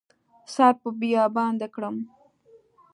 سر په بیابان دې کړم